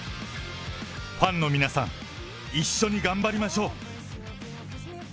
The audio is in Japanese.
ファンの皆さん、一緒に頑張りましょう。